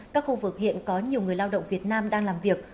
các khu vực hiện có nhiều người lao động việt nam đang làm việc